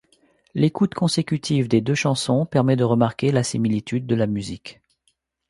L'écoute consécutive des deux chansons permet de remarquer la similitude de la musique.